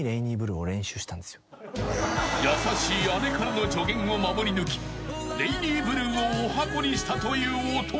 ［優しい姉からの助言を守り抜き『レイニーブルー』をおはこにしたという弟］